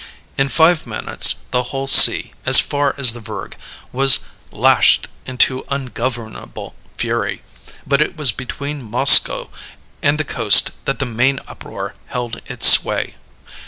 In five minutes the whole sea, as far as Vurrgh, was lashed into ungovernable fury, but it was between Moskoe and the coast that the main uproar held its sway.